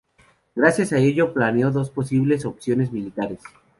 Gracias a ello planeó dos posibles opciones militares.